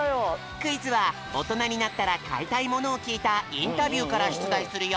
クイズはおとなになったらかいたいものをきいたインタビューからしゅつだいするよ。